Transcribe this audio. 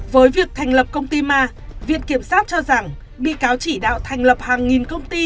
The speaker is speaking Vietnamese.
với việc thành lập công ty ma viện kiểm sát cho rằng bị cáo chỉ đạo thành lập hàng nghìn công ty